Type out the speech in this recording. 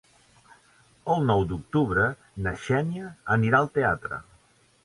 El nou d'octubre na Xènia anirà al teatre.